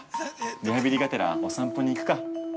リハビリがてら、お散歩にいくか。